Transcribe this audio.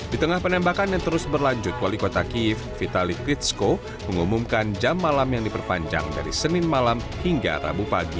di tengah penembakan yang terus berlanjut wali kota kiev vitaly krisko mengumumkan jam malam yang diperpanjang dari senin malam hingga rabu pagi